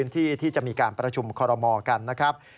ที่จะมีการประชุมคอรมอกันนะครับ